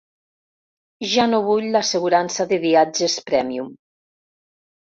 Ja no vull l'assegurança de viatges Premium.